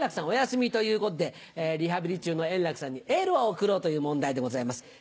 お休みということでリハビリ中の円楽さんにエールを送ろうという問題でございます。